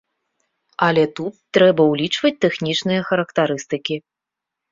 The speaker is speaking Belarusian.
Але тут трэба ўлічваць тэхнічныя характарыстыкі.